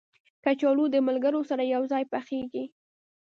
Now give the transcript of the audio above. کچالو د ملګرو سره یو ځای پخېږي